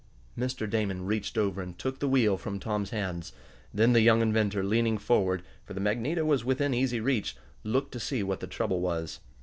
Mr. Damon reached over and took the wheel from Tom's hands. Then the young inventor, leaning forward, for the magneto was within easy reach, looked to see what the trouble was.